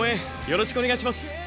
よろしくお願いします。